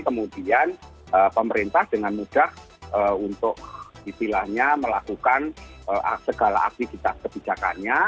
kemudian pemerintah dengan mudah untuk istilahnya melakukan segala aktivitas kebijakannya